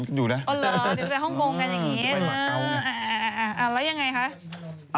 เนี๊ยะแล้วยังไงคะ